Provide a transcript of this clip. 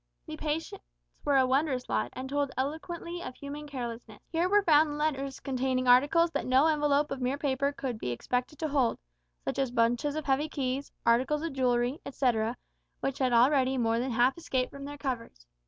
The patients were a wondrous lot, and told eloquently of human carelessness. Here were found letters containing articles that no envelope of mere paper could be expected to hold such as bunches of heavy keys, articles of jewellery, etcetera, which had already more than half escaped from their covers.